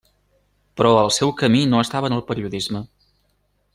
Però el seu camí no estava en el periodisme.